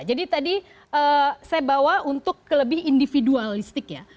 jadi tadi saya bawa untuk ke lebih individualistik ya